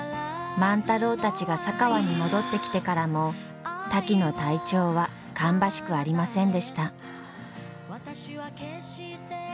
万太郎たちが佐川に戻ってきてからもタキの体調は芳しくありませんでした。